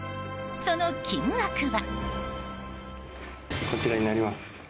その金額は。